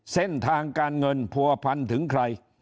เส้นทางการเงินผัวพันถึงใคร